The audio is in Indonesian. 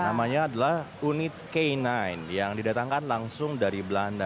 namanya adalah unit k sembilan yang didatangkan langsung dari belanda